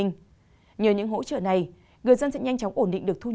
nhờ những hỗ trợ này người dân sẽ nhanh chóng ổn định được thu nhập